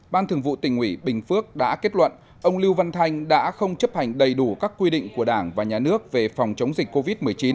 ban thường vụ tỉnh ủy bình phước đã kết luận ông lưu văn thanh đã không chấp hành đầy đủ các quy định của đảng và nhà nước về phòng chống dịch covid một mươi chín